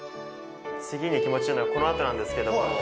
次に気持ちいいのはこの後なんですけども。